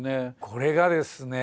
これがですね